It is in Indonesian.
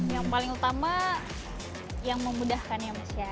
yang paling utama yang memudahkannya mas